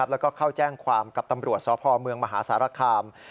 แล้วก็เข้าแจ้งความกับตำรวจสพเมืองมหาสารคาม